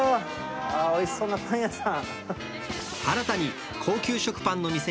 おいしそうなパン屋さん。